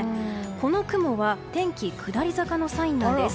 この雲は天気下り坂のサインなんです。